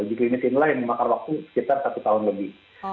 uji klinis inline maka waktu sekitar satu tahun lebih